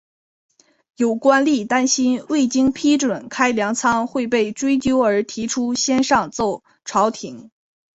有官吏担心未经批准开粮仓会被追究而提出先上奏朝廷。